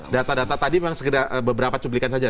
data data tadi memang beberapa cuplikan saja